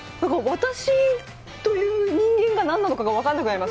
私という人間がなんなのか分からなくなります。